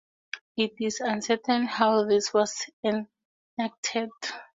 It is uncertain how this was enacted.